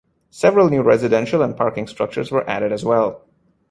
Several new residential and parking structures were added as well.